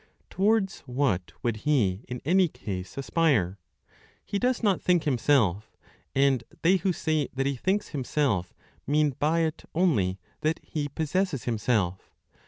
Towards what would He, in any case, aspire? He does not think himself; and they who say that He thinks Himself mean by it only that He possesses Himself.